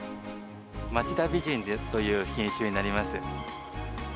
町田美人という品種になります。